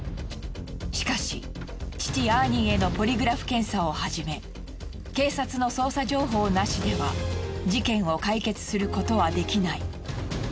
しかし父アーニーへのポリグラフ検査をはじめ警察の捜査情報なしでは事件を解決することはできない。